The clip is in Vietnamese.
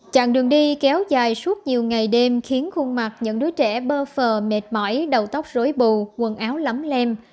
chặng đường đi kéo dài suốt nhiều ngày đêm khiến khuôn mặt những đứa trẻ bơ phờ mệt mỏi đầu tóc rối bù quần áo lắm lem